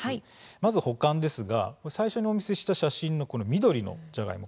まず保管ですが最初にお見せした写真の緑色のジャガイモ